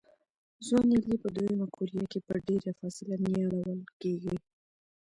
ځوان نیالګي په دوه یمه قوریه کې په ډېره فاصله نیالول کېږي.